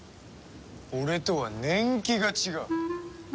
俺とは年季が違う。